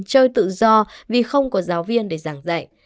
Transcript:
chơi tự do vì không có giáo viên để giảng dạy